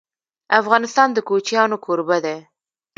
افغانستان د کوچیانو کوربه دی..